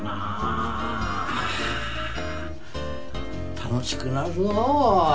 楽しくなるぞおい。